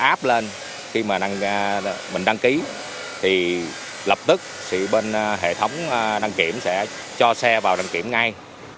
app lên khi mà mình đăng ký thì lập tức thì bên hệ thống đăng kiểm sẽ cho xe vào đăng kiểm ngay